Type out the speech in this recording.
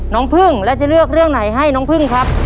พึ่งแล้วจะเลือกเรื่องไหนให้น้องพึ่งครับ